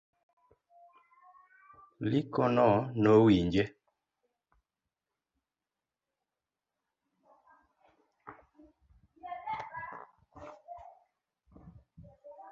Likono nowinje